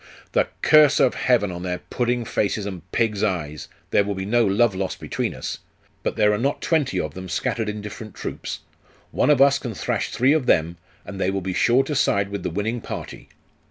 'The curse of heaven on their pudding faces and pigs' eyes! There will be no love lost between us. But there are not twenty of them scattered in different troops; one of us can thrash three of them; and they will be sure to side with the winning party.